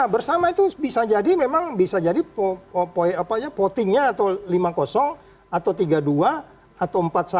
nah bersama itu bisa jadi memang bisa jadi potingnya atau lima puluh atau tiga puluh dua atau empat puluh satu terserah